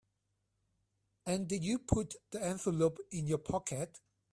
And did you put the envelope in your pocket?